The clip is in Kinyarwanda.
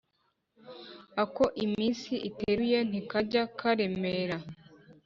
Ako iminsi iteruye ntikajya karemera.